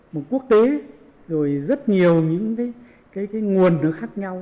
một quốc tế rồi rất nhiều những cái nguồn lực khác nhau